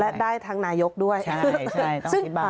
และได้ทั้งนายกด้วยใช่ใช่ต้องอธิบาย